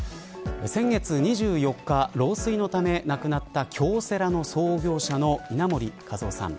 先月２４日老衰のため亡くなった京セラの創業者の稲盛和夫さん。